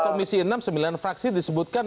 tapi masalahnya komisi enam sembilan fraksi disebutkan